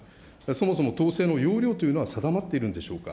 そもそも統制の要領というのは定まっているんでしょうか。